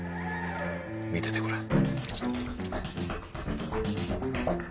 見ててごらん。